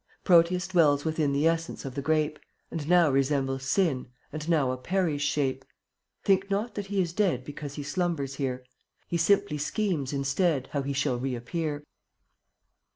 58 Proteus dwells within The essence of the Grape, And now resembles Sin And now a peri's shape. Think not that he is dead Because he slumbers here; He simply schemes instead How he shall reappear.